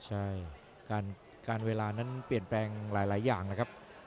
ใช่การเวลานั้นเปลี่ยนแปลงหลายอย่างนะครับ